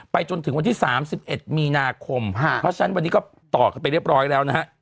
จนถึงวันที่๓๑มีนาคมเพราะฉะนั้นวันนี้ก็ต่อกันไปเรียบร้อยแล้วนะฮะ